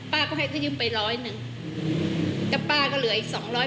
ป้าให้ก็ยืมไปร้อยนึงก็ป้าก็เหลืออีกสองหลอย